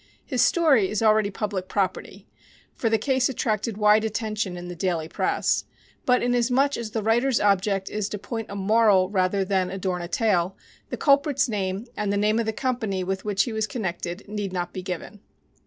His story is already public property, for the case attracted wide attention in the daily press; but, inasmuch as the writer's object is to point a moral rather than adorn a tale, the culprit's name and the name of the company with which he was connected need not be given.